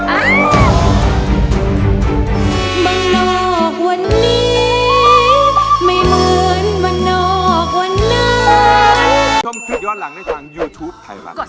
มันนอกวันนี้ไม่เหมือนมันนอกวันนั้น